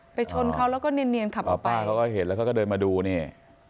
ชนเขาแล้วก็เนียนขับอ๋อป้าเขาก็เห็นแล้วเขาก็เดินมาดูนี่